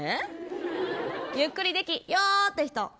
ゆっくりできよって人。